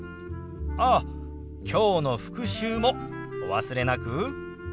ああきょうの復習もお忘れなく。